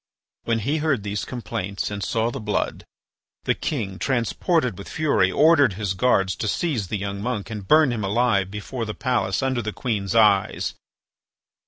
When he heard these complaints and saw the blood, the king, transported with fury, ordered his guards to seize the young monk and burn him alive before the palace under the queen's eyes.